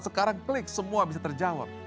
sekarang klik semua bisa terjawab